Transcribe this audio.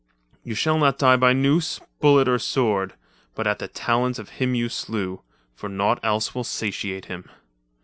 "You shall not die by noose, bullet or sword, but at the talons of him you slew—for naught else will satiate him."